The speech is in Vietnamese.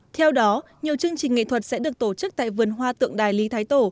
theo đó nhiều chương trình nghệ thuật sẽ được tổ chức tại vườn hoa tượng đài lý thái tổ